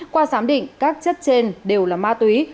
qua giám định các chất trên đều là ma túy